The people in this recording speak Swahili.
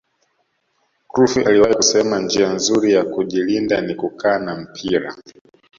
crufy aliwahi kusema njia nzuri ya kujilinda ni kukaa na mpira